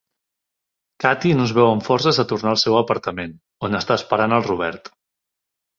Cathy no es veu amb forces de tornar al seu apartament, on està esperant el Robert.